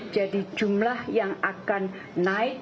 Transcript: jadi jumlah yang akan naik